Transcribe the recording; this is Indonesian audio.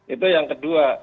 itu yang kedua